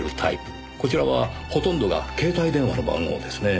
こちらはほとんどが携帯電話の番号ですねぇ。